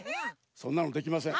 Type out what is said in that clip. そんなのできません。